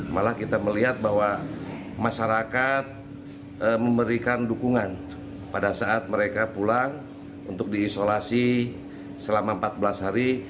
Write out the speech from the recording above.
malah kita melihat bahwa masyarakat memberikan dukungan pada saat mereka pulang untuk diisolasi selama empat belas hari